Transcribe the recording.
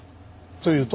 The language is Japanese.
というと？